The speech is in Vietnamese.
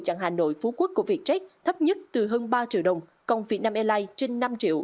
chặng hà nội phú quốc của vietjet thấp nhất từ hơn ba triệu đồng còn vietnam airlines trên năm triệu